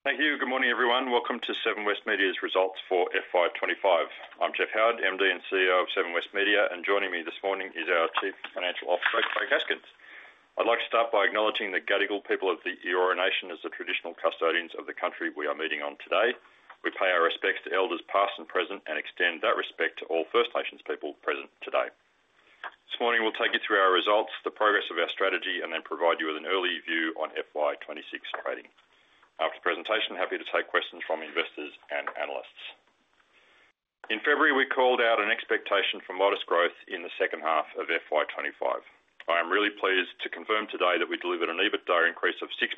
Thank you. Good morning, everyone. Welcome to Seven West Media's results for FY 2025. I'm Jeff Howard, MD and CEO of Seven West Media, and joining me this morning is our Chief Financial Officer, Craig Haskins. I'd like to start by acknowledging the Gadigal people of the Eora Nation as the traditional custodians of the country we are meeting on today. We pay our respects to elders past and present and extend that respect to all First Nations people present today. This morning, we'll take you through our results, the progress of our strategy, and then provide you with an early view on FY 2026 trading. After the presentation, happy to take questions from investors and analysts. In February, we called out an expectation for modest growth in the second half of FY 2025. I am really pleased to confirm today that we delivered an EBITDA increase of 6%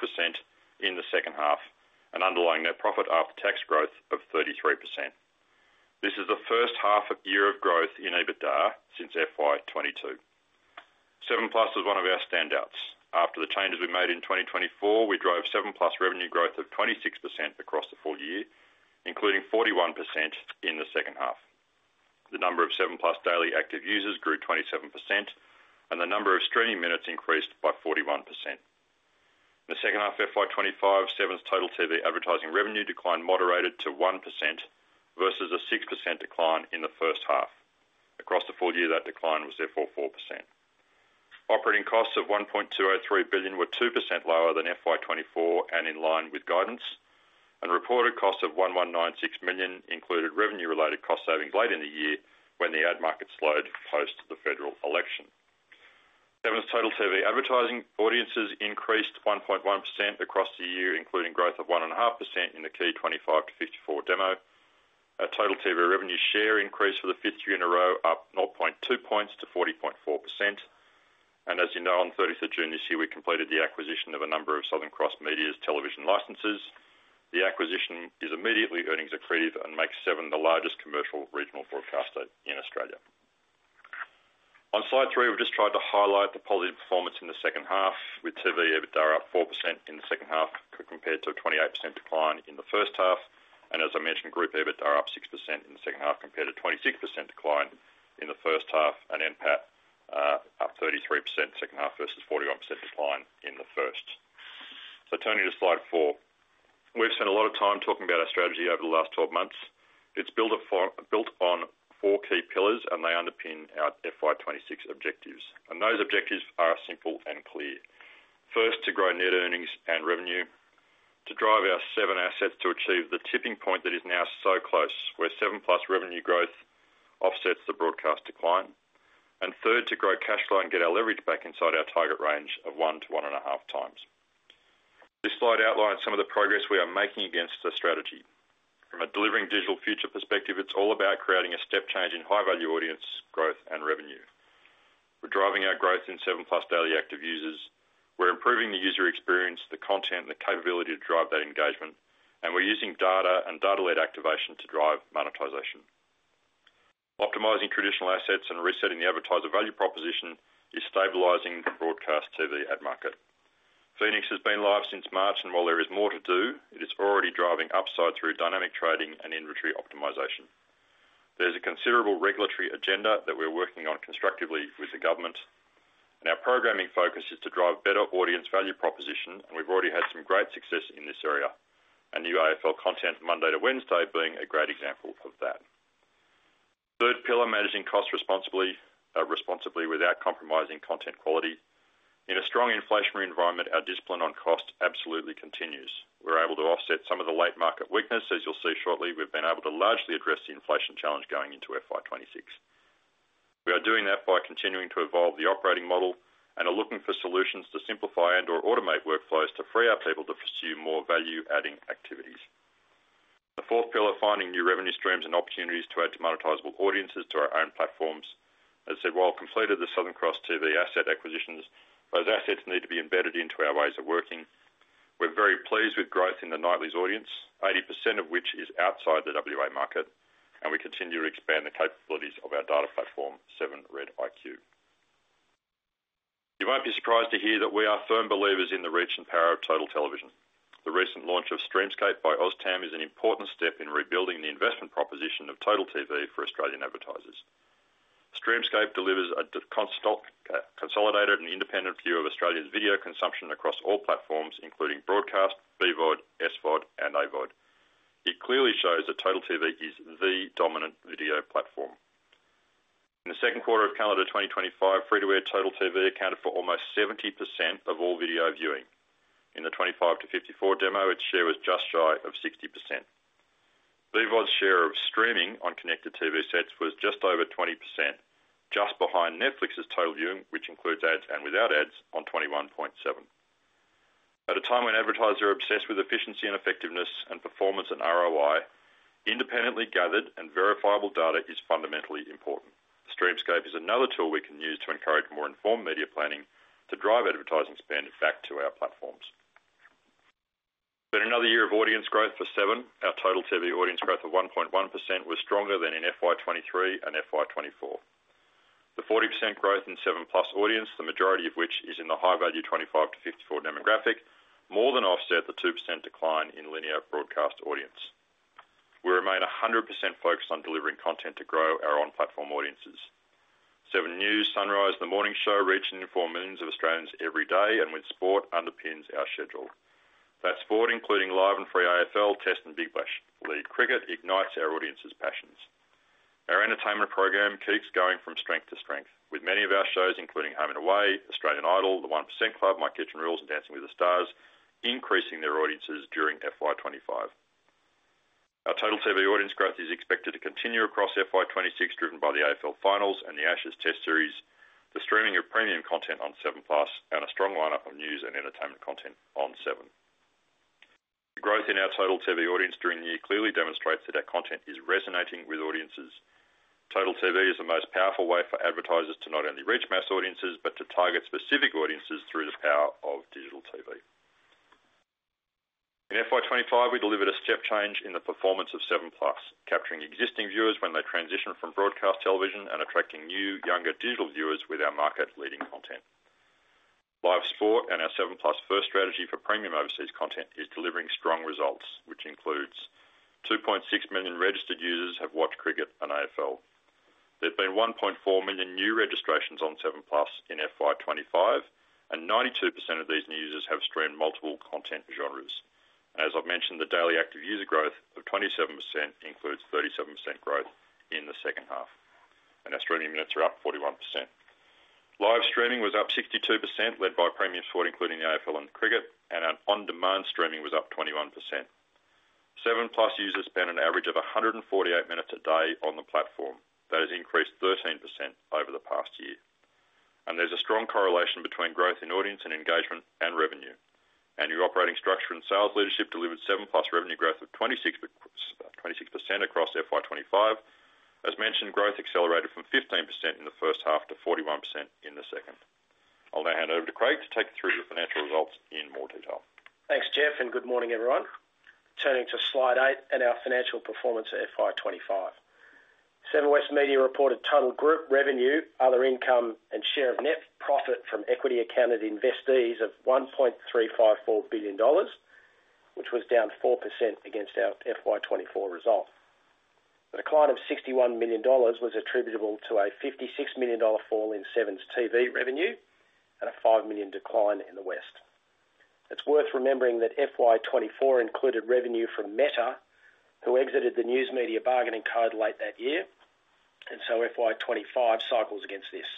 in the second half, an underlying net profit after tax growth of 33%. This is the first half year of growth in EBITDA since FY 2022. 7plus was one of our standouts. After the changes we made in 2024, we drove 7plus revenue growth of 26% across the full year, including 41% in the second half. The number of 7plus daily active users grew 27%, and the number of streaming minutes increased by 41%. In the second half of FY 2025, Seven's Total TV advertising revenue decline moderated to 1% versus a 6% decline in the first half. Across the full year, that decline was therefore 4%. Operating costs of $1.203 billion were 2% lower than FY 2024 and in line with guidance, and reported costs of $1.196 billion included revenue-related cost savings late in the year when the ad market slowed post the federal election. Seven's Total TV advertising audiences increased 1.1% across the year, including growth of 1.5% in the key 25-54 demo. Total TV revenue share increased for the fifth year in a row, up 0.2 points to 40.4%. As you know, on the 30th of June this year, we completed the acquisition of a number of Southern Cross Media's television licenses. The acquisition is immediately earnings accretive and makes Seven the largest commercial regional broadcaster in Australia. On slide three, we've just tried to highlight the positive performance in the second half, with TV EBITDA up 4% in the second half compared to a 28% decline in the first half. As I mentioned, Group EBITDA up 6% in the second half compared to a 26% decline in the first half, and NPAT up 33% in the second half versus a 41% decline in the first. Turning to slide four, we've spent a lot of time talking about our strategy over the last 12 months. It's built on four key pillars, and they underpin our FY 2026 objectives. Those objectives are simple and clear. First, to grow net earnings and revenue, to drive our Seven assets to achieve the tipping point that is now so close, where 7plus revenue growth offsets the broadcast decline. Third, to grow cash flow and get our leverage back inside our target range of 1x-1.5x. This slide outlines some of the progress we are making against the strategy. From a delivering digital future perspective, it's all about creating a step change in high-value audience growth and revenue. We're driving our growth in 7plus daily active users. We're improving the user experience, the content, and the capability to drive that engagement. We're using data and data-led activation to drive monetization. Optimizing traditional assets and resetting the advertiser value proposition is stabilizing the broadcast TV ad market. Phoenix has been live since March, and while there is more to do, it is already driving upside through dynamic trading and inventory optimization. There's a considerable regulatory agenda that we're working on constructively with the government. Our programming focus is to drive a better audience value proposition, and we've already had some great success in this area, with new AFL content Monday to Wednesday being a great example of that. Third pillar, managing costs responsibly without compromising content quality. In a strong inflationary environment, our discipline on costs absolutely continues. We're able to offset some of the late market weakness, as you'll see shortly. We've been able to largely address the inflation challenge going into FY 2026. We are doing that by continuing to evolve the operating model and are looking for solutions to simplify and/or automate workflows to free up people to pursue more value-adding activities. The fourth pillar, finding new revenue streams and opportunities to add demonetizable audiences to our own platforms. As I said, while completed the Southern Cross TV asset acquisitions, those assets need to be embedded into our ways of working. We're very pleased with growth in the nightly's audience, 80% of which is outside the WA market. We continue to expand the capabilities of our data platform, 7REDiQ. You might be surprised to hear that we are firm believers in the reach and power of Total Television. The recent launch of Streamscape by OzTAM is an important step in rebuilding the investment proposition of Total TV for Australian advertisers. Streamscape delivers a consolidated and independent view of Australia's video consumption across all platforms, including broadcast, BVOD, SVOD, and AVOD. It clearly shows that Total TV is the dominant video platform. In the second quarter of calendar 2025, free-to-air Total TV accounted for almost 70% of all video viewing. In the 25-54 demo, its share was just shy of 60%. BVOD's share of streaming on connected TV sets was just over 20%, just behind Netflix's total viewing, which includes ads and without ads, on 21.7%. At a time when advertisers are obsessed with efficiency and effectiveness and performance and ROI, independently gathered and verifiable data is fundamentally important. Streamscape is another tool we can use to encourage more informed media planning to drive advertising spend back to our platforms. In another year of audience growth for Seven, our Total TV audience growth of 1.1% was stronger than in FY 2023 and FY 2024. The 40% growth in 7plus audience, the majority of which is in the high-value 25-54 demographic, more than offset the 2% decline in linear broadcast audience. We remain 100% focused on delivering content to grow our on-platform audiences. Seven News, Sunrise, and The Morning Show reach and inform millions of Australians every day, and with sport underpins our schedule. That's sport, including live and free AFL, test, and big league cricket ignites our audience's passions. Our entertainment program keeps going from strength to strength, with many of our shows, including Home and Away, Australian Idol, The 1% Club, My Kitchen Rules, and Dancing with the Stars, increasing their audiences during FY 2025. Our Total TV audience growth is expected to continue across FY 2026, driven by the AFL Finals and the Ashes Test Series, the streaming of premium content on 7plus, and a strong lineup of news and entertainment content on Seven. The growth in our Total TV audience during the year clearly demonstrates that our content is resonating with audiences. Total TV is the most powerful way for advertisers to not only reach mass audiences, but to target specific audiences through the power of digital TV. In FY 2025, we delivered a step change in the performance of 7plus, capturing existing viewers when they transitioned from broadcast television and attracting new, younger digital viewers with our market-leading content. Live sport and our 7plus first strategy for premium overseas content is delivering strong results, which includes 2.6 million registered users have watched cricket and AFL. There have been 1.4 million new registrations on 7plus in FY 2025, and 92% of these new users have streamed multiple content genres. As I've mentioned, the daily active user growth of 27% includes 37% growth in the second half. Our streaming minutes are up 41%. Live streaming was up 62%, led by premium sport, including the AFL and cricket, and on-demand streaming was up 21%. 7plus users spend an average of 148 minutes a day on the platform. That has increased 13% over the past year. There is a strong correlation between growth in audience and engagement and revenue. Your operating structure and sales leadership delivered 7plus revenue growth of 26% across FY 2025. As mentioned, growth accelerated from 15% in the first half to 41% in the second. I'll now hand over to Craig to take you through the financial results in more detail. Thanks, Jeff, and good morning, everyone. Turning to slide eight and our financial performance at FY 2025. Seven West Media reported total group revenue, other income, and share of net profit from equity accounted investees of $1.354 billion, which was down 4% against our FY 2024 result. A decline of $61 million was attributable to a $56 million fall in Seven's TV revenue and a $5 million decline in The West. It's worth remembering that FY 2024 included revenue from Meta, who exited the news media bargaining code late that year, and so FY 2025 cycles against this.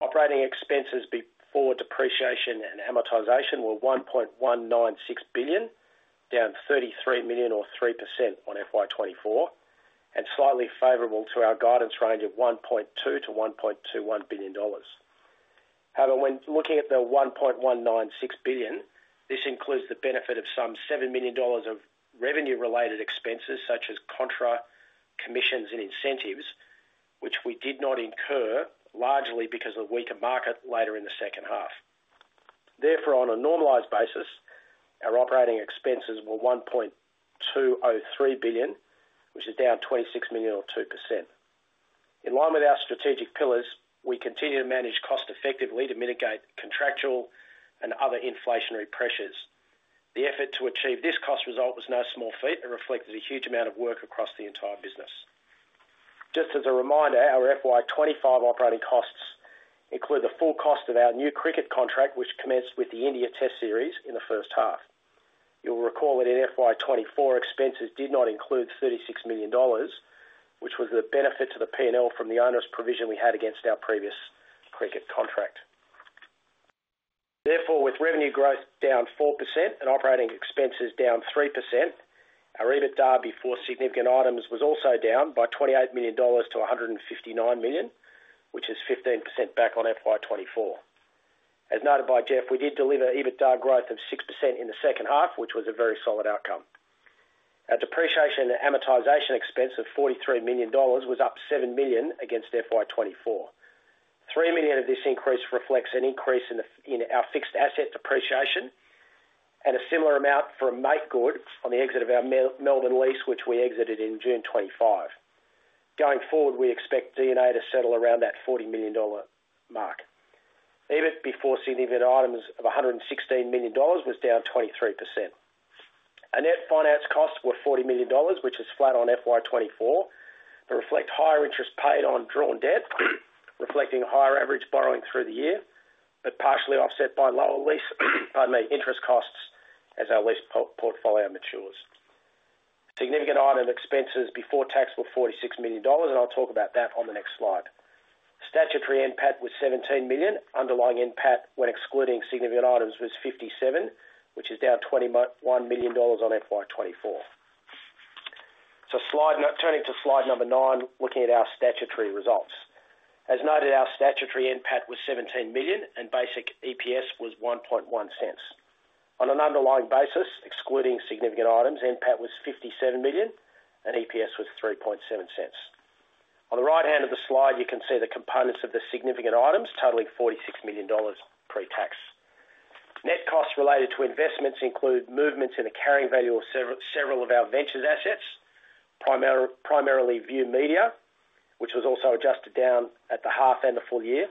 Operating expenses before depreciation and amortization were $1.196 billion, down $33 million or 3% on FY 2024, and slightly favorable to our guidance range of $1.2 billion-$1.21 billion. However, when looking at the $1.196 billion, this includes the benefit of some $7 million of revenue-related expenses, such as contra commissions and incentives, which we did not incur, largely because of the weaker market later in the second half. Therefore, on a normalized basis, our operating expenses were $1.203 billion, which is down $26 million or 2%. In line with our strategic pillars, we continue to manage cost effectively to mitigate contractual and other inflationary pressures. The effort to achieve this cost result was no small feat and reflected a huge amount of work across the entire business. Just as a reminder, our FY 2025 operating costs include the full cost of our new cricket contract, which commenced with the India Test Series in the first half. You'll recall that in FY 2024, expenses did not include $36 million, which was the benefit to the P&L from the onerous provision we had against our previous cricket contract. Therefore, with revenue growth down 4% and operating expenses down 3%, our EBITDA before significant items was also down by $28 million to $159 million, which is 15% back on FY 2024. As noted by Jeff, we did deliver EBITDA growth of 6% in the second half, which was a very solid outcome. Our depreciation and amortization expense of $43 million was up $7 million against FY 2024. $3 million of this increase reflects an increase in our fixed asset depreciation and a similar amount for makegood on the exit of our Melbourne lease, which we exited in June 2025. Going forward, we expect D&A to settle around that $40 million mark. EBIT before significant items of $116 million was down 23%. Our net finance costs were $40 million, which is flat on FY 2024, but reflect higher interest paid on drawn debt, reflecting a higher average borrowing through the year, but partially offset by lower interest costs as our lease portfolio matures. Significant item expenses before tax were $46 million, and I'll talk about that on the next slide. Statutory NPAT was $17 million. Underlying NPAT, when excluding significant items, was $57 million, which is down $21 million on FY 2024. Turning to slide number nine, looking at our statutory results. As noted, our statutory NPAT was $17 million and basic EPS was $0.011. On an underlying basis, excluding significant items, NPAT was $57 million and EPS was $0.037. On the right hand of the slide, you can see the components of the significant items totaling $46 million pre-tax. Net costs related to investments include movements in the carrying value of several of our ventures assets, primarily View Media, which was also adjusted down at the half and at the full year,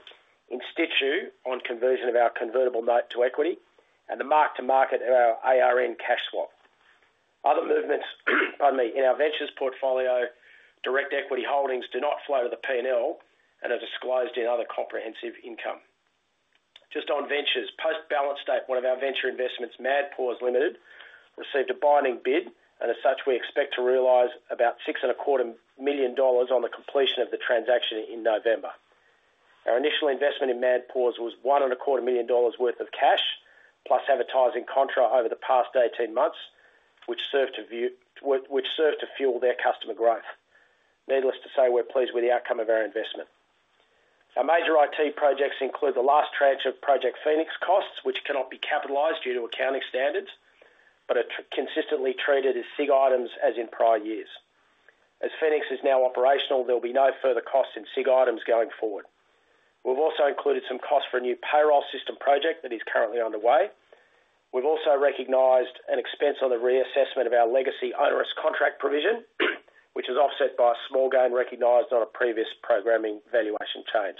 in situ on conversion of our convertible note to equity, and the mark to market of our ARN cash swap. Other movements in our ventures portfolio, direct equity holdings do not flow to the P&L and are disclosed in other comprehensive income. Just on ventures, post-balance date, one of our venture investments, Mad Paws Ltd, received a binding bid, and as such, we expect to realize about $6.25 million on the completion of the transaction in November. Our initial investment in Mad Paws was $1.25 million worth of cash plus advertising contra over the past 18 months, which served to fuel their customer growth. Needless to say, we're pleased with the outcome of our investment. Our major IT projects include the last tranche of Project Phoenix costs, which cannot be capitalized due to accounting standards, but are consistently treated as significant items as in prior years. As Phoenix is now operational, there'll be no further costs in significant items going forward. We've also included some costs for a new payroll system project that is currently underway. We've also recognized an expense on the reassessment of our legacy onerous contract provision, which is offset by a small gain recognized on a previous programming valuation change.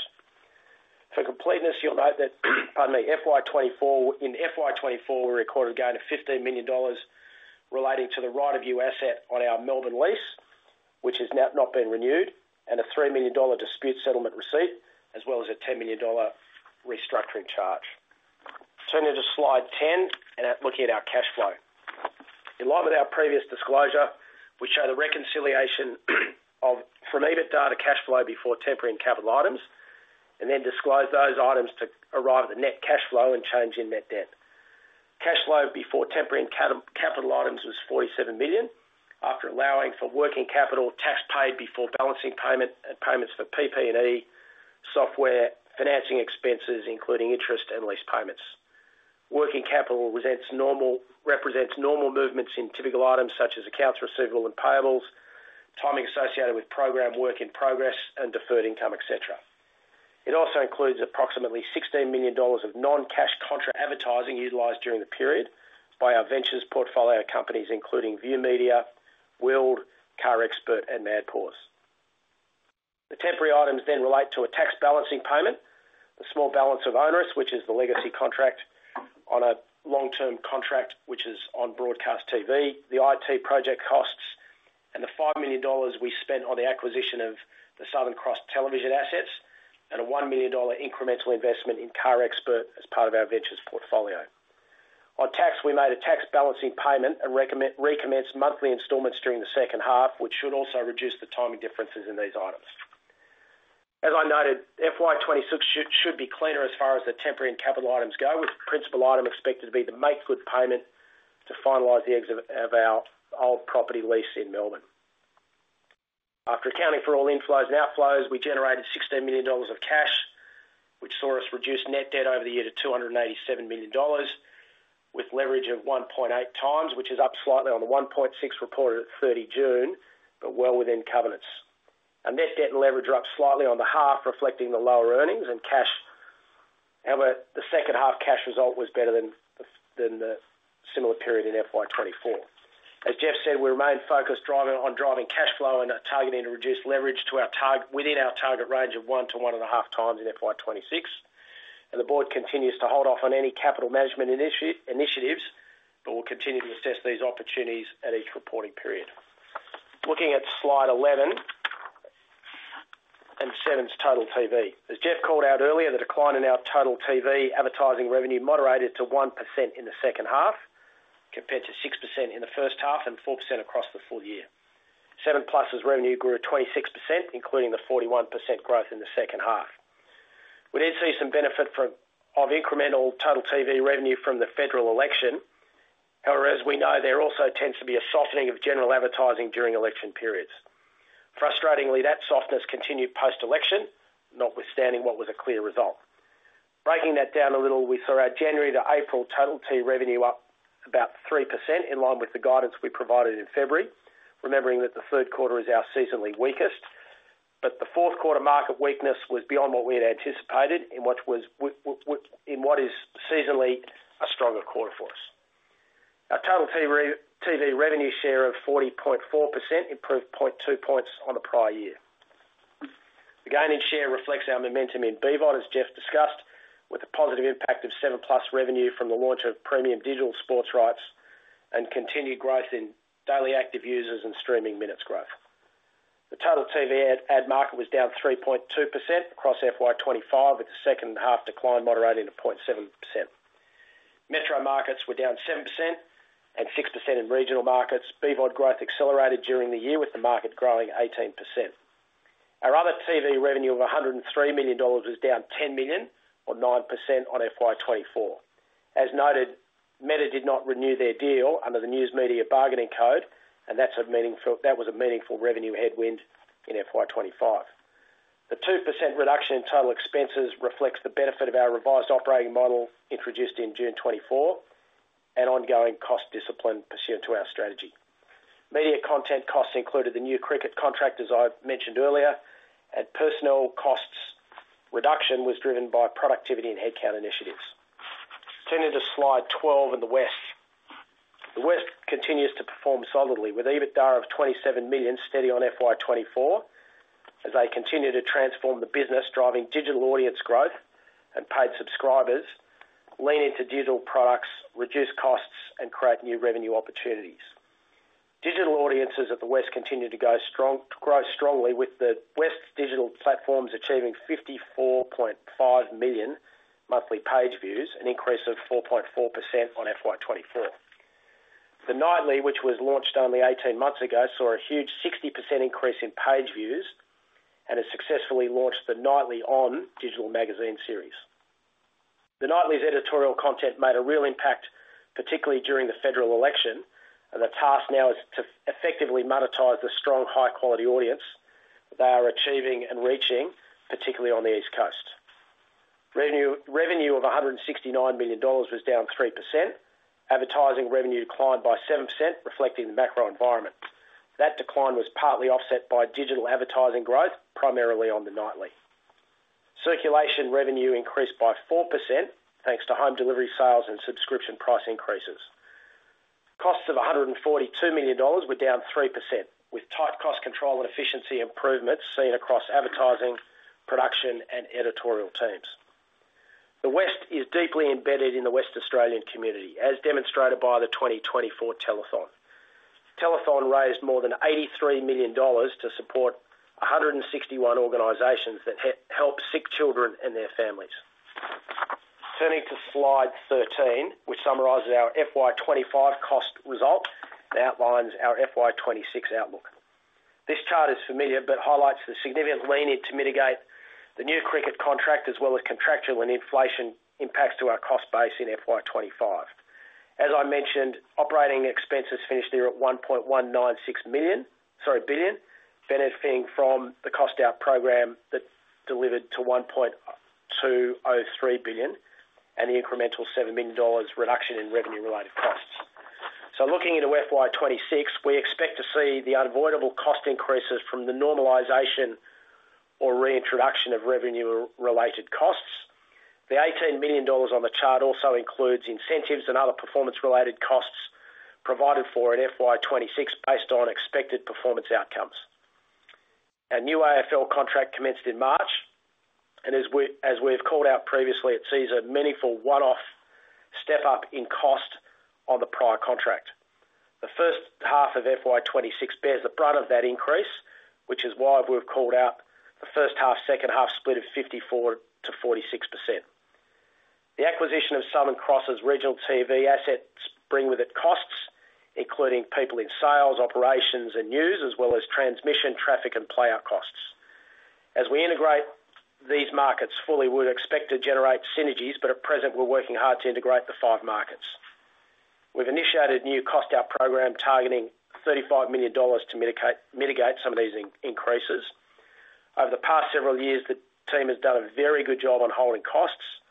For completeness, you'll note that in FY 2024, we recorded a gain of $15 million relating to the right-of-view asset on our Melbourne lease, which has not been renewed, and a $3 million dispute settlement receipt, as well as a $10 million restructuring charge. Turning to slide 10 and looking at our cash flow. In line with our previous disclosure, we show the reconciliation from EBITDA to cash flow before temporary and capital items, and then disclose those items to arrive at the net cash flow and change in net debt. Cash flow before temporary and capital items was $47 million after allowing for working capital tax paid before balancing payments for PP&E, software, financing expenses, including interest and lease payments. Working capital represents normal movements in typical items such as accounts receivable and payables, timing associated with program work in progress, and deferred income, etc. It also includes approximately $16 million of non-cash contra advertising utilized during the period by our ventures portfolio companies, including View Media, WILD, CarExpert, and Mad Paws. The temporary items then relate to a tax balancing payment, the small balance of onerous, which is the legacy contract on a long-term contract, which is on broadcast TV, the IT project costs, and the $5 million we spent on the acquisition of the Southern Cross television assets, and a $1 million incremental investment in CarExpert as part of our ventures portfolio. On tax, we made a tax balancing payment and recommenced monthly instalments during the second half, which should also reduce the timing differences in these items. As I noted, FY 2026 should be cleaner as far as the temporary and capital items go, with the principal item expected to be the makegood payment to finalize the exit of our old property lease in Melbourne. After accounting for all inflows and outflows, we generated $16 million of cash, which saw us reduce net debt over the year to $287 million, with leverage of 1.8x, which is up slightly on the 1.6 reported at 30 June, but well within covenants. Our net debt and leverage were up slightly on the half, reflecting the lower earnings and cash. However, the second half cash result was better than the similar period in FY 2024. As Jeff said, we remain focused on driving cash flow and targeting to reduce leverage within our target range of 1x-1.5x in FY 2026. The board continues to hold off on any capital management initiatives, but we'll continue to assess these opportunities at each reporting period. Looking at slide 11 and Seven's Total TV, as Jeff called out earlier, the decline in our Total TV advertising revenue moderated to 1% in the second half, compared to 6% in the first half and 4% across the full year. 7plus's revenue grew 26%, including the 41% growth in the second half. We did see some benefit of incremental Total TV revenue from the federal election. However, as we know, there also tends to be a softening of general advertising during election periods. Frustratingly, that softness continued post-election, notwithstanding what was a clear result. Breaking that down a little, we saw our January to April Total TV revenue up about 3% in line with the guidance we provided in February, remembering that the third quarter is our seasonally weakest. The fourth quarter market weakness was beyond what we had anticipated, in what is seasonally a stronger quarter for us. Our Total TV revenue share of 40.4% improved 0.2 points on a prior year. The gain in share reflects our momentum in BVOD, as Jeff discussed, with a positive impact of 7plus revenue from the launch of premium digital sports rights and continued growth in daily active users and streaming minutes growth. The Total TV ad market was down 3.2% across FY 2025, with the second half decline moderating to 0.7%. Metro markets were down 7% and 6% in regional markets. BVOD growth accelerated during the year, with the market growing 18%. Our other TV revenue of $103 million was down $10 million or 9% on FY 2024. As noted, Meta did not renew their deal under the news media bargaining code, and that was a meaningful revenue headwind in FY 2025. The 2% reduction in total expenses reflects the benefit of our revised operating model introduced in June 2024 and ongoing cost discipline pursuant to our strategy. Media content costs included the new cricket contracts I mentioned earlier, and personnel cost reduction was driven by productivity and headcount initiatives. Turning to slide 12 and The West, The West continues to perform solidly, with EBITDA of $27 million steady on FY 2024 as they continue to transform the business, driving digital audience growth and paid subscribers, lean into digital products, reduce costs, and create new revenue opportunities. Digital audiences at The West continue to grow strongly, with The West's digital platforms achieving 54.5 million monthly page views, an increase of 4.4% on FY 2024. The Nightly, which was launched only 18 months ago, saw a huge 60% increase in page views and has successfully launched The Nightly on digital magazine series. The Nightly's editorial content made a real impact, particularly during the federal election, and the task now is to effectively monetize the strong, high-quality audience that they are achieving and reaching, particularly on the East Coast. Revenue of $169 million was down 3%. Advertising revenue declined by 7%, reflecting the macro environment. That decline was partly offset by digital advertising growth, primarily on The Nightly. Circulation revenue increased by 4% thanks to home delivery sales and subscription price increases. Costs of $142 million were down 3%, with tight cost control and efficiency improvements seen across advertising, production, and editorial teams. The West is deeply embedded in the West Australian community, as demonstrated by the 2024 Telethon. Telethon raised more than $83 million to support 161 organizations that help sick children and their families. Turning to slide 13, we summarize our FY 2025 cost result and outline our FY 2026 outlook. This chart is familiar but highlights the significant lean-in to mitigate the new cricket contract, as well as contractual and inflation impacts to our cost base in FY 2025. As I mentioned, operating expenses finished the year at $1.196 billion, benefiting from the cost-out program that delivered to $1.203 billion and the incremental $7 million reduction in revenue-related costs. Looking into FY 2026, we expect to see the unavoidable cost increases from the normalization or reintroduction of revenue-related costs. The $18 million on the chart also includes incentives and other performance-related costs provided for in FY 2026 based on expected performance outcomes. Our new AFL contract commenced in March, and as we've called out previously, it sees a meaningful one-off step up in cost on the prior contract. The first half of FY 2026 bears the brunt of that increase, which is why we've called out the first half-second half split of 54% to 46%. The acquisition of Southern Cross' regional TV assets brings with it costs, including people in sales, operations, and news, as well as transmission, traffic, and play-out costs. As we integrate these markets fully, we would expect to generate synergies, but at present, we're working hard to integrate the five markets. We've initiated a new cost-out program targeting $35 million to mitigate some of these increases. Over the past several years, the team has done a very good job on holding costs,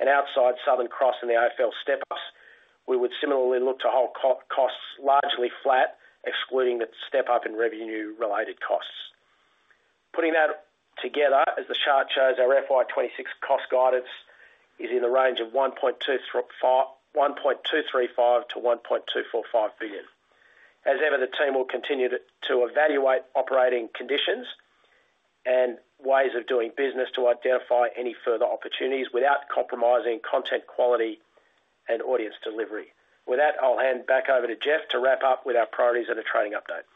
and outside Southern Cross and the AFL step-ups, we would similarly look to hold costs largely flat, excluding the step-up in revenue-related costs. Putting that together, as the chart shows, our FY 2026 cost guidance is in the range of $1.235 billion-$1.245 billion. As ever, the team will continue to evaluate operating conditions and ways of doing business to identify any further opportunities without compromising content quality and audience delivery. With that, I'll hand back over to Jeff to wrap up with our priorities and a trading update.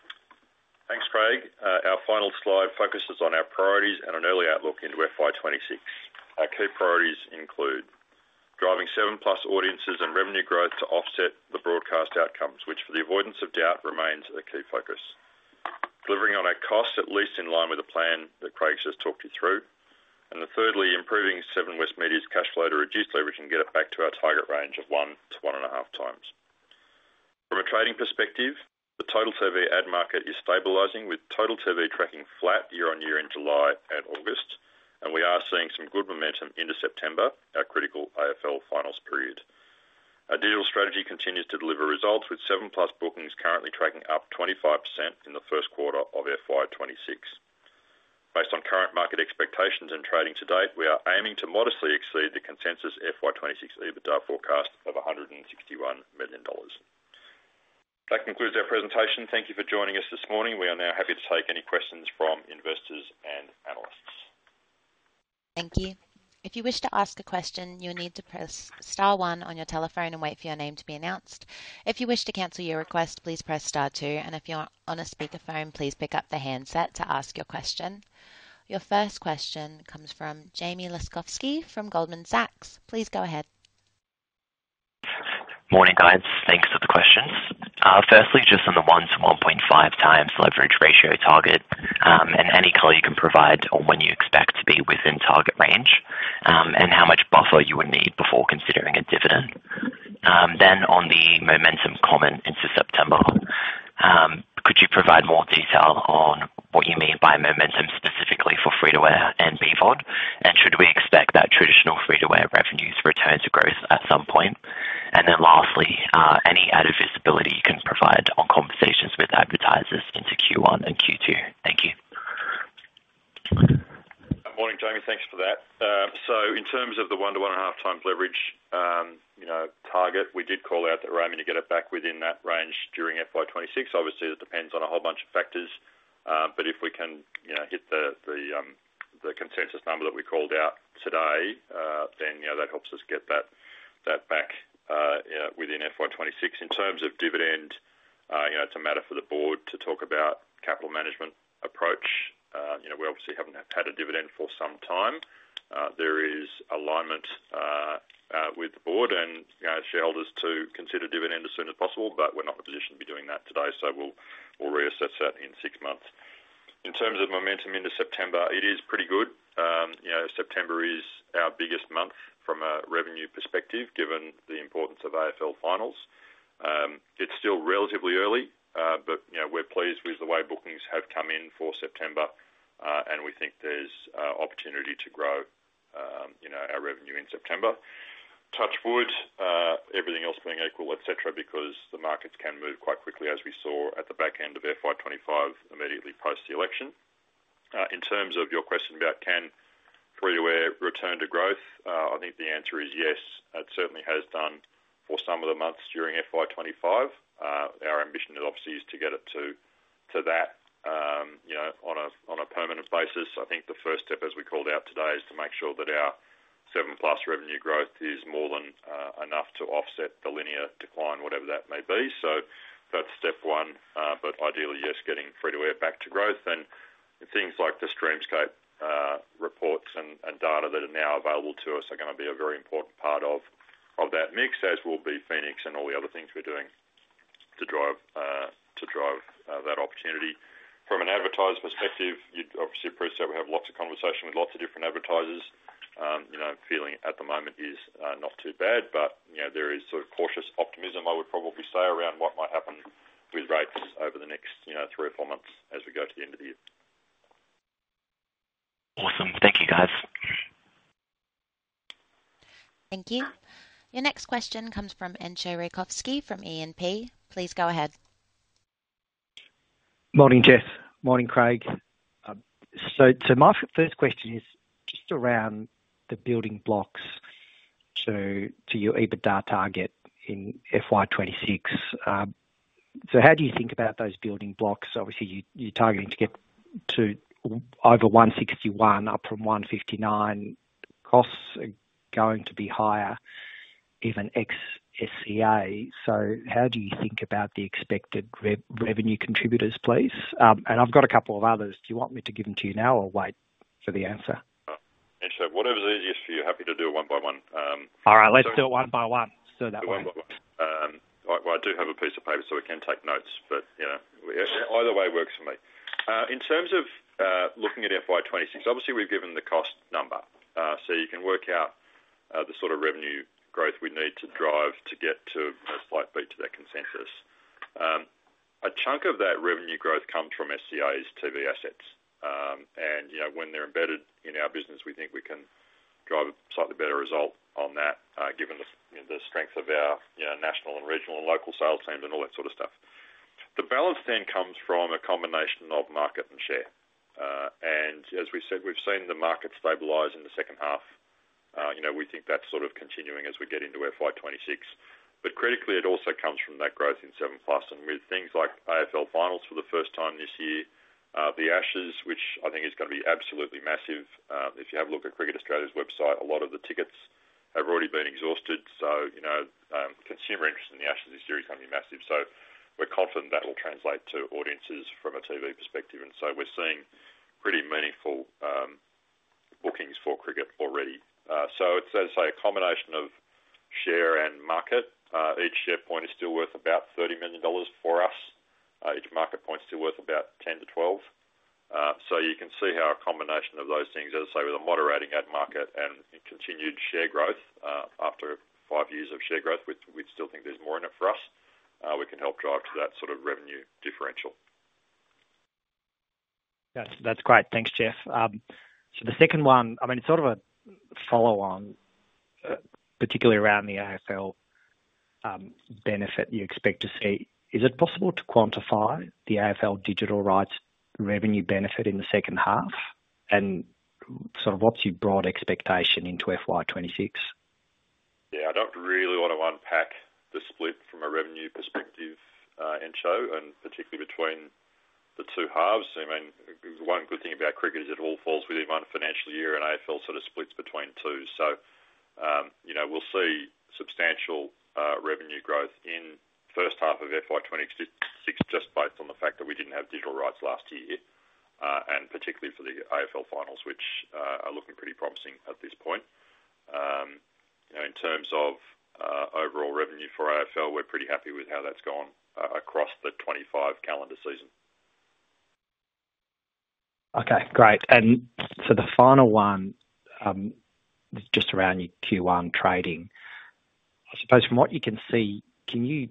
Thanks, Craig. Our final slide focuses on our priorities and an early outlook into FY 2026. Our key priorities include driving 7plus audiences and revenue growth to offset the broadcast outcomes, which, for the avoidance of doubt, remains a key focus. Delivering on our costs, at least in line with the plan that Craig's just talked you through. Thirdly, improving Seven West Media's cash flow to reduce leverage and get it back to our target range of 1x-1.5x. From a trading perspective, the Total TV ad market is stabilizing, with Total TV tracking flat year-on-year in July and August, and we are seeing some good momentum into September, our critical AFL Finals period. Our digital strategy continues to deliver results, with 7plus bookings currently tracking up 25% in the first quarter of FY 2026. Based on current market expectations and trading to date, we are aiming to modestly exceed the consensus FY 2026 EBITDA forecast of $161 million. That concludes our presentation. Thank you for joining us this morning. We are now happy to take any questions from investors and analysts. Thank you. If you wish to ask a question, you'll need to press star one on your telephone and wait for your name to be announced. If you wish to cancel your request, please press star two, and if you're on a speaker phone, please pick up the handset to ask your question. Your first question comes from Jamie Laskovski from Goldman Sachs. Please go ahead. Morning, guys. Thanks for the questions. Firstly, just on the 1x-1.5x leverage ratio target, any color you can provide on when you expect to be within target range, and how much buffer you would need before considering a dividend. On the momentum comment into September, could you provide more detail on what you mean by momentum specifically for Free-to-Air and BVOD, and should we expect that traditional Free-to-Air revenues return to growth at some point? Lastly, any added visibility you can provide on conversations with advertisers into Q1 and Q2? Thank you. Morning, Jamie. Thanks for that. In terms of the 1x-1.5x leverage target, we did call out that we're aiming to get it back within that range during FY 2026. Obviously, it depends on a whole bunch of factors, but if we can hit the consensus number that we called out today, then that helps us get that back within FY 2026. In terms of dividend, it's a matter for the board to talk about capital management approach. We obviously haven't had a dividend for some time. There is alignment with the board and shareholders to consider dividend as soon as possible, but we're not in a position to be doing that today, so we'll reassess that in six months. In terms of momentum into September, it is pretty good. September is our biggest month from a revenue perspective, given the importance of AFL Finals. It's still relatively early, but we're pleased with the way bookings have come in for September, and we think there's opportunity to grow our revenue in September. Touch point, everything else being equal, et cetera, because the markets can move quite quickly, as we saw at the back end of FY 2025, immediately post the election. In terms of your question about can Free-to-Air return to growth, I think the answer is yes. It certainly has done for some of the months during FY 2025. Our ambition is obviously to get it to that on a permanent basis. I think the first step, as we called out today, is to make sure that our 7plus revenue growth is more than enough to offset the linear decline, whatever that may be. That's step one, but ideally, yes, getting Free-to-Air back to growth. Things like the Streamscape reports and data that are now available to us are going to be a very important part of that mix, as will be Phoenix and all the other things we're doing to drive that opportunity. From an advertiser perspective, you'd obviously appreciate we have lots of conversation with lots of different advertisers. Feeling at the moment is not too bad, but there is sort of cautious optimism, I would probably say, around what might happen with rates over the next three or four months as we go to the end of the year. Awesome. Thank you, guys. Thank you. Your next question comes from Entcho Raykovski from E&P. Please go ahead. Morning, Jeff. Morning, Craig. My first question is just around the building blocks to your EBITDA target in FY 2026. How do you think about those building blocks? Obviously, you're targeting to get to over $161 million, up from $159 million. Costs are going to be higher, even ex-SCA. How do you think about the expected revenue contributors, please? I've got a couple of others. Do you want me to give them to you now or wait for the answer? Whatever's easiest for you, happy to do it one by one. All right. Let's do it one by one, so that way. One by one. I do have a piece of paper so we can take notes, but, you know, either way works for me. In terms of looking at FY 2026, obviously, we've given the cost number. You can work out the sort of revenue growth we need to drive to get to a slight beat to that consensus. A chunk of that revenue growth comes from SCA's TV assets. When they're embedded in our business, we think we can drive a slightly better result on that, given the strength of our national and regional and local sales teams and all that sort of stuff. The balance then comes from a combination of market and share. As we said, we've seen the market stabilize in the second half. We think that's sort of continuing as we get into FY 2026. Critically, it also comes from that growth in 7plus. With things like AFL Finals for the first time this year, the Ashes, which I think is going to be absolutely massive. If you have a look at Cricket Australia's website, a lot of the tickets have already been exhausted. Consumer interest in the Ashes this year is going to be massive. We're confident that will translate to audiences from a TV perspective. We're seeing pretty meaningful bookings for cricket already. It's, as I say, a combination of share and market. Each share point is still worth about $30 million for us. Each market point is still worth about $10 million-$12 million. You can see how a combination of those things, as I say, with a moderating ad market and continued share growth, after five years of share growth, we still think there's more in it for us. We can help drive to that sort of revenue differential. That's great. Thanks, Jeff. The second one, I mean, it's sort of a follow-on, particularly around the AFL benefit you expect to see. Is it possible to quantify the AFL digital rights revenue benefit in the second half? What's your broad expectation into FY 2026? I don't really want to unpack the split from a revenue perspective, Entcho, and particularly between the two halves. The one good thing about cricket is it all falls within one financial year, and AFL sort of splits between two. We'll see substantial revenue growth in the first half of FY 2026 just based on the fact that we didn't have digital rights last year, and particularly for the AFL Finals, which are looking pretty promising at this point. In terms of overall revenue for AFL, we're pretty happy with how that's gone across the 2025 calendar season. Okay, great. The final one is just around your Q1 trading. I suppose from what you can see, can you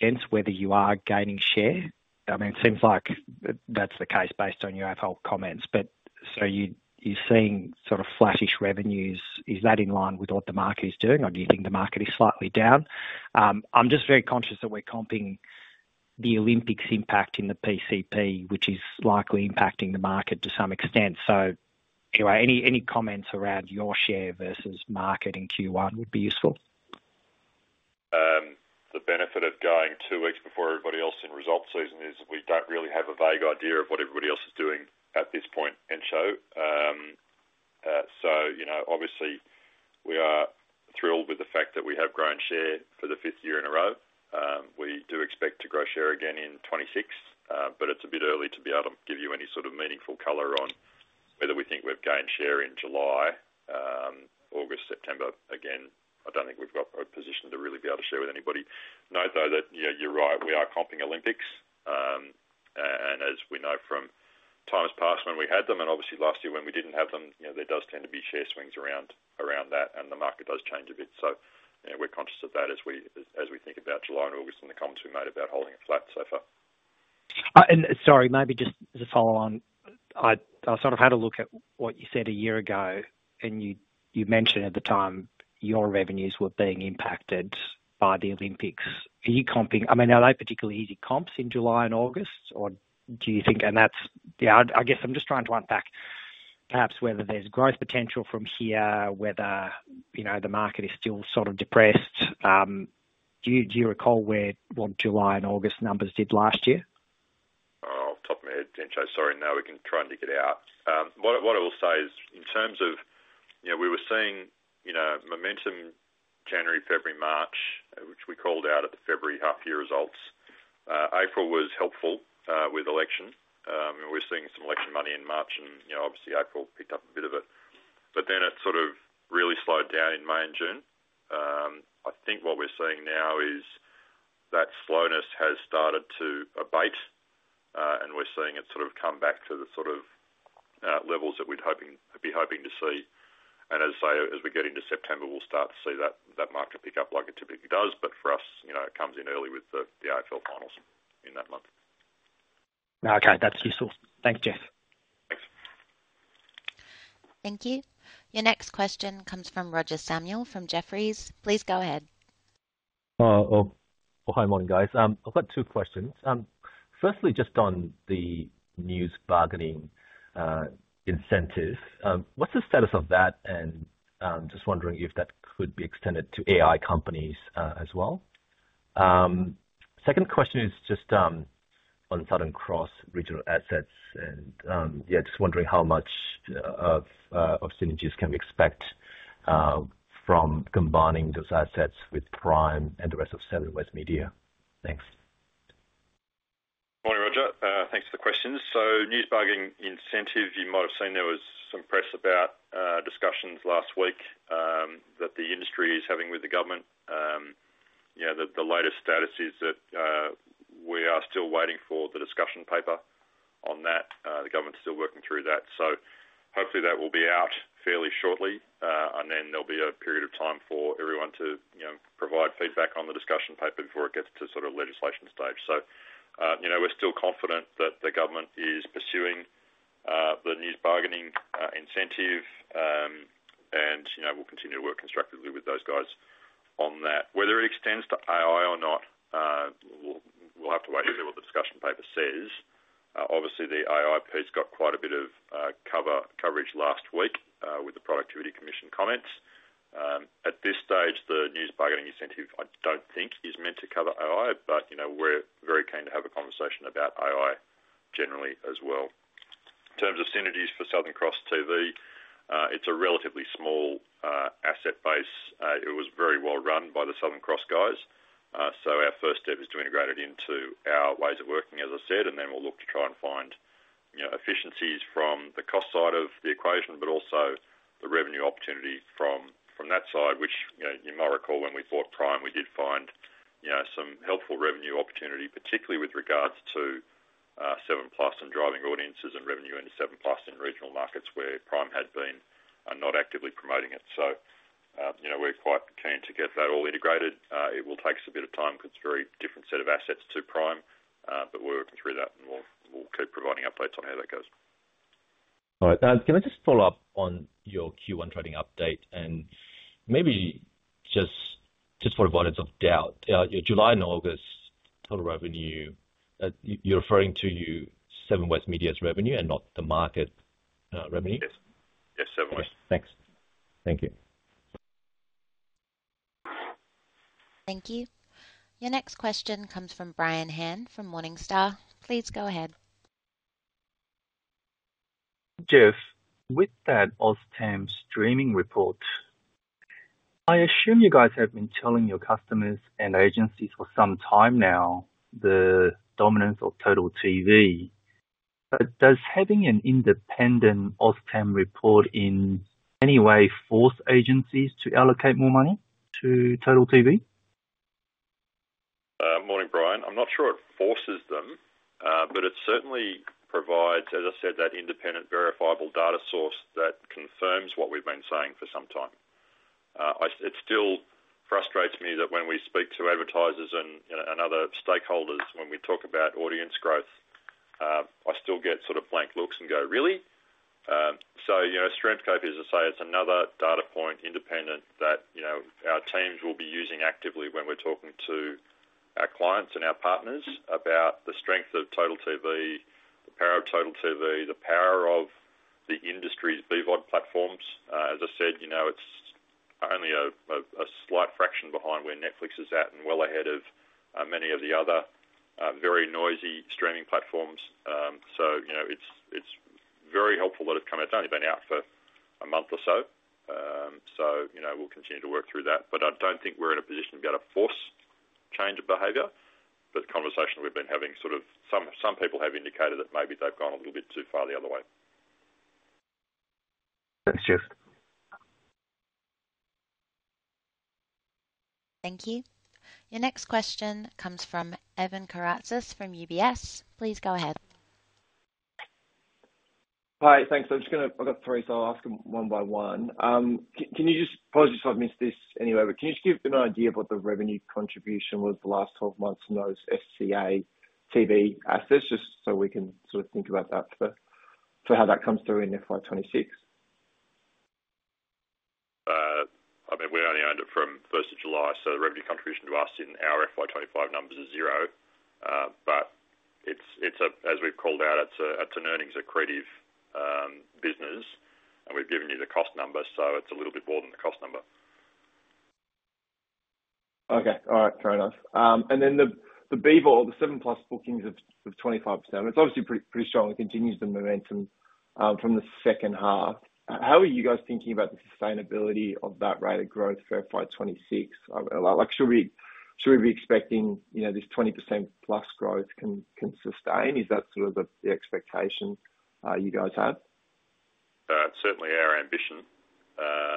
sense whether you are gaining share? I mean, it seems like that's the case based on your AFL comments. You're seeing sort of flattish revenues. Is that in line with what the market is doing, or do you think the market is slightly down? I'm just very conscious that we're comping the Olympics impact in the PCP, which is likely impacting the market to some extent. Anyway, any comments around your share versus market in Q1 would be useful? The benefit of going two weeks before everybody else in result season is we don't really have a vague idea of what everybody else is doing at this point, Entcho. Obviously, we are thrilled with the fact that we have grown share for the fifth year in a row. We do expect to grow share again in 2026, but it's a bit early to be able to give you any sort of meaningful color on whether we think we've gained share in July, August, September. I don't think we've got a position to really be able to share with anybody. Note though that, you're right, we are comping Olympics. As we know from times past when we had them, and obviously last year when we didn't have them, there does tend to be share swings around that, and the market does change a bit. We're conscious of that as we think about July and August and the comments we made about holding it flat so far. Sorry, maybe just as a follow-on, I sort of had a look at what you said a year ago, and you mentioned at the time your revenues were being impacted by the Olympics. Are you comping? I mean, are they particularly easy comps in July and August, or do you think? I'm just trying to unpack perhaps whether there's growth potential from here, whether the market is still sort of depressed. Do you recall what July and August numbers did last year? In terms of, you know, we were seeing, you know, momentum January, February, March, which we called out at the February half-year results. April was helpful with election. We were seeing some election money in March, and, you know, obviously April picked up a bit of it. It sort of really slowed down in May and June. I think what we're seeing now is that slowness has started to abate, and we're seeing it sort of come back to the sort of levels that we'd be hoping to see. As I say, as we get into September, we'll start to see that market pick up like it typically does. For us, you know, it comes in early with the AFL Finals in that month. Okay, that's useful. Thanks, Jeff. Thank you. Your next question comes from Roger Samuel from Jefferies. Please go ahead. Oh, hi, morning, guys. I've got two questions. Firstly, just on the news bargaining incentive, what's the status of that? I'm just wondering if that could be extended to AI companies as well. Second question is just on Southern Cross regional assets. I'm just wondering how much of synergies can we expect from combining those assets with Prime and the rest of Seven West Media? Thanks. Morning, Roger. Thanks for the questions. The news bargaining incentive, you might have seen there was some press about discussions last week that the industry is having with the government. The latest status is that we are still waiting for the discussion paper on that. The government's still working through that. Hopefully that will be out fairly shortly, and then there will be a period of time for everyone to provide feedback on the discussion paper before it gets to legislation stage. We are still confident that the government is pursuing the news bargaining incentive, and we will continue to work constructively with those guys on that. Whether it extends to AI or not, we will have to wait and see what the discussion paper says. Obviously, the AI piece got quite a bit of coverage last week with the Productivity Commission comments. At this stage, the news bargaining incentive, I don't think, is meant to cover AI, but we are very keen to have a conversation about AI generally as well. In terms of synergies for Southern Cross TV, it's a relatively small asset base. It was very well run by the Southern Cross guys. Our first step is to integrate it into our ways of working, as I said, and then we will look to try and find efficiencies from the cost side of the equation, but also the revenue opportunity from that side, which you might recall when we bought Prime, we did find some helpful revenue opportunity, particularly with regards to 7plus and driving audiences and revenue into 7plus in regional markets where Prime had been not actively promoting it. We are quite keen to get that all integrated. It will take us a bit of time because it's a very different set of assets to Prime, but we are working through that and we will keep providing updates on how that goes. All right, thanks. Can I just follow up on your Q1 trading update and maybe just for the avoidance of doubt, your July and August total revenue, you're referring to your Seven West Media's revenue and not the market revenue? Yes, Seven West. Thanks. Thank you. Thank you. Your next question comes from Brian Han from Morningstar. Please go ahead. Jeff, with that OzTAM streaming report, I assume you guys have been telling your customers and agencies for some time now the dominance of Total TV, but does having an independent OzTAM report in any way force agencies to allocate more money to Total TV? Morning, Brian. I'm not sure it forces them, but it certainly provides, as I said, that independent, verifiable data source that confirms what we've been saying for some time. It still frustrates me that when we speak to advertisers and other stakeholders, when we talk about audience growth, I still get sort of blank looks and go, really? Streamscape, as I say, it's another data point, independent, that our teams will be using actively when we're talking to our clients and our partners about the strength of Total TV, the power of Total TV, the power of the industry's BVOD platforms. As I said, it's only a slight fraction behind where Netflix is at and well ahead of many of the other very noisy streaming platforms. It's very helpful that it's coming out. It's only been out for a month or so. We'll continue to work through that. I don't think we're in a position to be able to force change of behavior. The conversation we've been having, some people have indicated that maybe they've gone a little bit too far the other way. Thanks, Jeff. Thank you. Your next question comes from Evan Karatzas from UBS. Please go ahead. Hi, thanks. I'm just going to, I've got three, so I'll ask them one by one. Can you just, apologies if I've missed this anyway, but can you just give an idea of what the revenue contribution was the last 12 months in those SCA TV assets, just so we can sort of think about that for how that comes through in FY 2026? I mean, we only owned it from 1st of July, so the revenue contribution to us in our FY 2025 numbers is zero. As we've called out, it's an earnings accretive business, and we've given you the cost number, so it's a little bit more than the cost number. All right, very nice. The BVOD, the 7plus bookings of 25%, it's obviously pretty strong. It continues the momentum from the second half. How are you guys thinking about the sustainability of that rate of growth for FY 2026? Should we be expecting this 20% plus growth can sustain? Is that sort of the expectation you guys have? Certainly our ambition.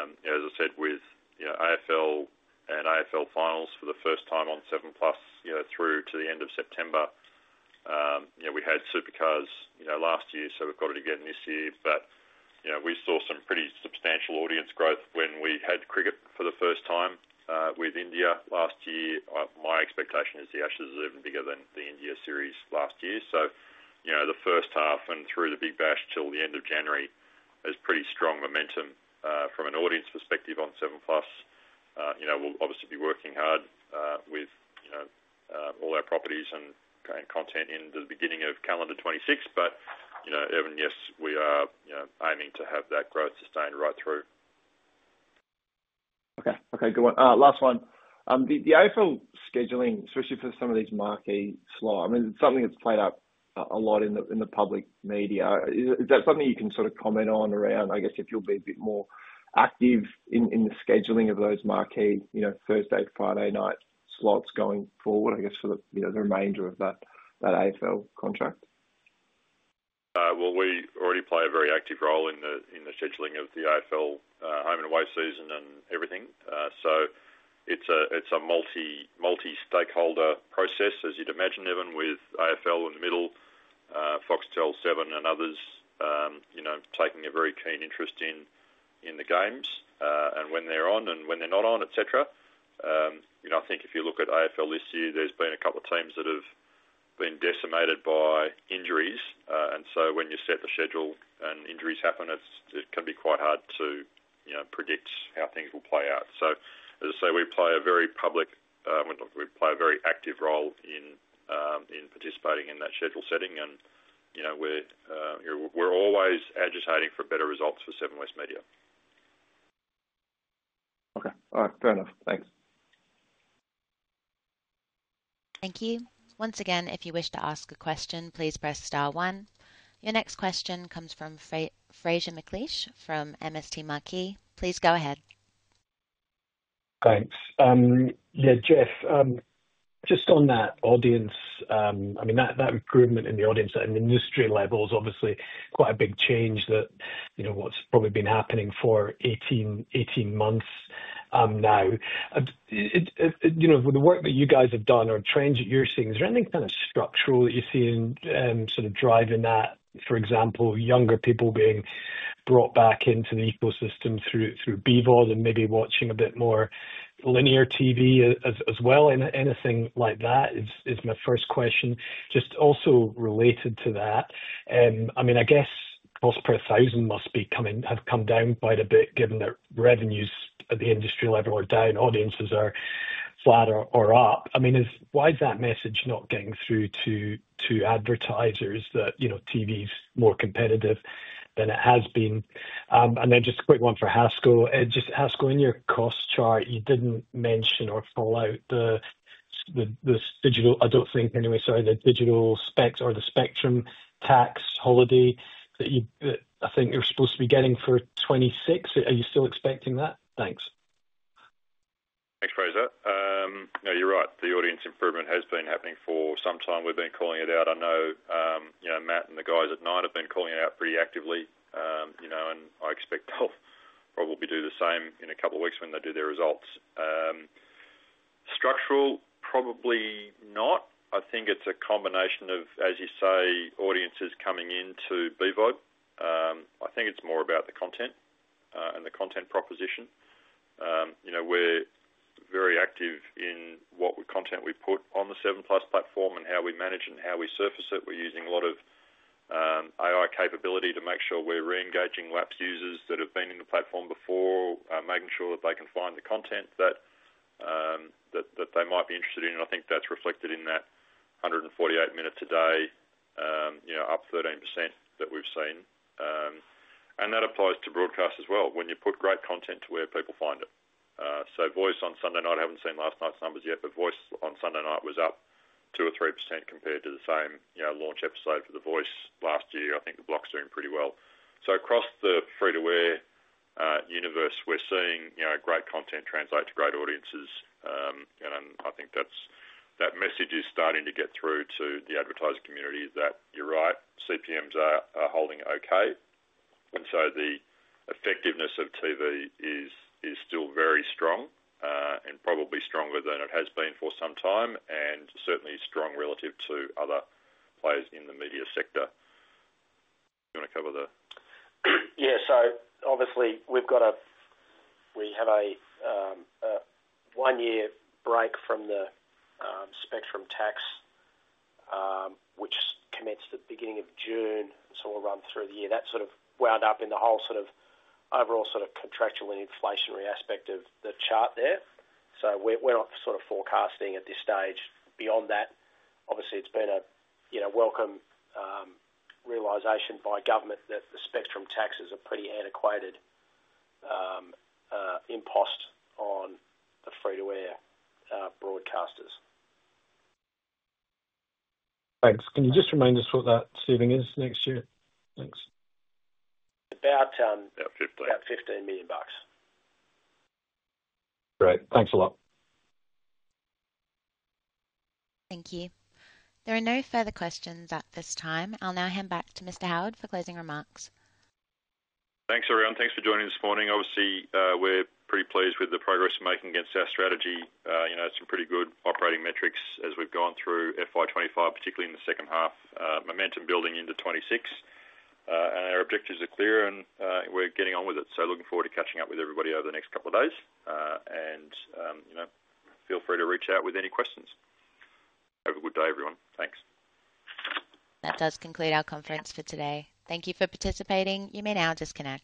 As I said, with AFL and AFL Finals for the first time on 7plus through to the end of September, we had Supercars last year, so we've got it again this year. We saw some pretty substantial audience growth when we had cricket for the first time with India last year. My expectation is the Ashes is even bigger than the India series last year. The first half and through the Big Bash till the end of January is pretty strong momentum from an audience perspective on 7plus. We'll obviously be working hard with all our properties and content into the beginning of calendar 2026. Evan, yes, we are aiming to have that growth sustained right through. Okay, good one. Last one. The AFL scheduling, especially for some of these marquee slots, I mean, it's something that's played up a lot in the public media. Is that something you can sort of comment on around, I guess, if you'll be a bit more active in the scheduling of those marquee, you know, Thursday, Friday night slots going forward, I guess, for the remainder of that AFL contract? We already play a very active role in the scheduling of the AFL home and away season and everything. It's a multi-stakeholder process, as you'd imagine, Evan, with AFL in the middle, Foxtel, Seven, and others taking a very keen interest in the games and when they're on and when they're not on, etc. I think if you look at AFL this year, there's been a couple of teams that have been decimated by injuries. When you set the schedule and injuries happen, it can be quite hard to predict how things will play out. As I say, we play a very public, very active role in participating in that schedule setting, and we're always agitating for better results for Seven West Media. Okay. All right. Fair enough. Thanks. Thank you. Once again, if you wish to ask a question, please press star one. Your next question comes from Fraser McLeish from MST Marquee. Please go ahead. Thanks. Yeah, Jeff, just on that audience, I mean, that improvement in the audience at an industry level is obviously quite a big change that, you know, what's probably been happening for 18 months now. With the work that you guys have done or trends that you're seeing, is there any kind of structural that you're seeing sort of driving that? For example, younger people being brought back into the ecosystem through BVOD and maybe watching a bit more linear TV as well? Anything like that is my first question. Just also related to that, I mean, I guess cost per thousand must be coming, have come down quite a bit given that revenues at the industry level are down, audiences are flat or up. I mean, why is that message not getting through to advertisers that, you know, TV's more competitive than it has been? And then just a quick one for Haskins. Just Haskins, in your cost chart, you didn't mention or call out the digital, I don't think anyway, sorry, the digital specs or the spectrum tax holiday that you, I think you're supposed to be getting for 2026. Are you still expecting that? Thanks. Thanks, Fraser. You're right. The audience improvement has been happening for some time. We've been calling it out. I know Matt and the guys at Nine have been calling it out pretty actively, and I expect they'll probably do the same in a couple of weeks when they do their results. Structural, probably not. I think it's a combination of, as you say, audiences coming into BVOD. I think it's more about the content and the content proposition. We're very active in what content we put on the 7plus platform and how we manage it and how we surface it. We're using a lot of AI capability to make sure we're re-engaging lapsed users that have been in the platform before, making sure that they can find the content that they might be interested in. I think that's reflected in that 148 minutes a day, up 13% that we've seen. That applies to broadcast as well when you put great content to where people find it. Voice on Sunday night, I haven't seen last night's numbers yet, but Voice on Sunday night was up 2% or 3% compared to the same launch episode for The Voice last year. I think The Block's doing pretty well. Across the Free-to-Air universe, we're seeing great content translate to great audiences. I think that message is starting to get through to the advertising community that you're right, CPMs are holding okay. The effectiveness of TV is still very strong and probably stronger than it has been for some time and certainly strong relative to other players in the media sector. Do you want to cover the... Yeah, obviously we've got a one-year break from the spectrum tax, which commences at the beginning of June. We'll run through the year. That's wound up in the whole overall contractual and inflationary aspect of the chart there. We're not forecasting at this stage beyond that. Obviously, it's been a welcome realisation by government that the spectrum tax is a pretty antiquated impost on the free-to-air broadcasters. Thanks. Can you just remind us what that saving is next year? Thanks. About $15 million. Great, thanks a lot. Thank you. There are no further questions at this time. I'll now hand back to Mr. Howard for closing remarks. Thanks, everyone. Thanks for joining this morning. Obviously, we're pretty pleased with the progress we're making against our strategy. It's some pretty good operating metrics as we've gone through FY 2025, particularly in the second half. Momentum building into 2026. Our objectives are clear, and we're getting on with it. Looking forward to catching up with everybody over the next couple of days. Feel free to reach out with any questions. Have a good day, everyone. Thanks. That does conclude our conference for today. Thank you for participating. You may now disconnect.